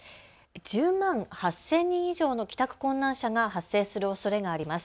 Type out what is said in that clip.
１０万８０００人以上の帰宅困難者が発生するおそれがあります。